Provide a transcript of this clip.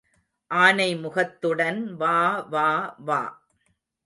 ஆனை முகத்துடன் வா வா வா.